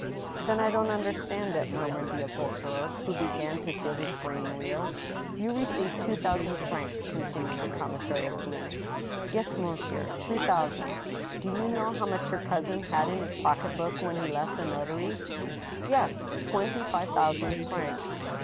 " Then I don't understand it," murmured the upholstecer, who began to feel his brain reel. " You received two thousand francs ?" continued the commissary of police. " Yes, monsieur — two thousand." " Do you know how much your cousin had in his pocket book when he left the notary's ?"" Yes, twenty five thousand francs."